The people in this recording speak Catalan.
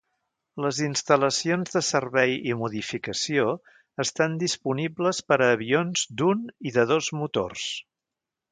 Les instal·lacions de servei i modificació estan disponibles per a avions d'un i de dos motors.